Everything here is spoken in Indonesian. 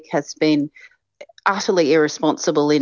telah menjadi sangat tidak bertanggung jawab